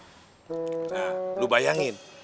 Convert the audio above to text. nah lu bayangin